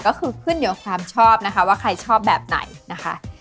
ก็คือขึ้นอยู่กับความชอบนะคะว่าใครชอบแบบไหนนะคะ